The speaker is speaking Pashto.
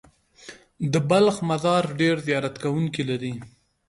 د بلخ مزار ډېر زیارت کوونکي لري.